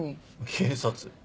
警察。